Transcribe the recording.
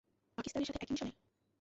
পাকিস্তানের সাথে একি মিশনে?